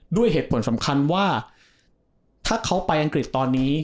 ส่วนสำคัญว่าถ้าเขาไปอังกฤษตอนนี้